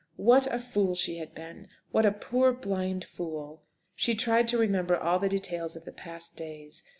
What a fool she had been! What a poor, blind fool! She tried to remember all the details of the past days.